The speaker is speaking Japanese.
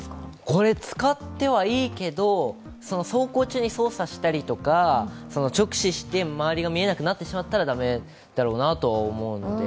これ使ってはいいけど走行中に操作したり、直視して周りが見えなくなってしまったら駄目だろうなと思うので。